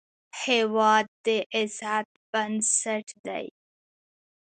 هېواد د عزت بنسټ دی.